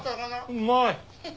うまい！